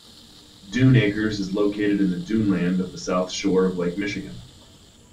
Dune Acres is located in the duneland of the south shore of Lake Michigan.